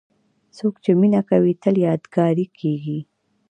څوک چې مینه کوي، تل یادګاري کېږي.